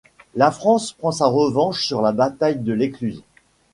La France prend sa revanche sur la bataille de l'Écluse.